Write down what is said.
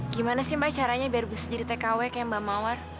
gimana sih mbak caranya biar bisa jadi tkw kayak mbak mawar